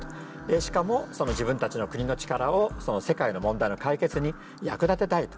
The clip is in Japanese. しかも自分たちの国の力を世界の問題の解決に役立てたいと。